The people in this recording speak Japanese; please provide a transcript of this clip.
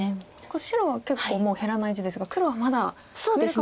白は結構もう減らない地ですが黒はまだ増えるかもしれないし。